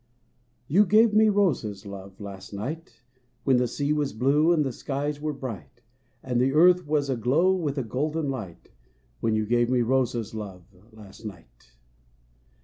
OU gave me roses, love, last night, When the sea was blue and the skies were bright j And the earth was aglow with a golden light When you gave me roses, love, last night.